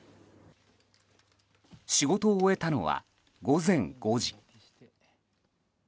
仕事を終えたのは午前５時。